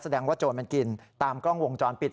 แสดงว่าโจรมันกินตามกล้องวงจรปิด